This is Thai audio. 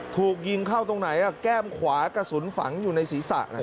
ถูกยิงเข้าตรงไหนแก้มขวากระสุนฝังอยู่ในศีรษะ